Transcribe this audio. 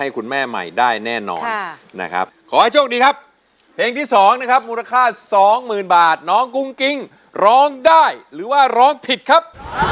ขอให้โชคดีครับเพลงที่สองนะครับมูลค่าสองหมื่นบาทน้องกุ้งกิ้งร้องได้หรือว่าร้องผิดครับ